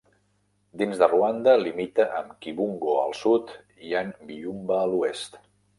Dins de Ruanda, limita amb Kibungo al sud i amb Byumba a l'oest.